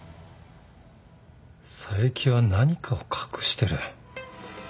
佐伯は何かを隠してる。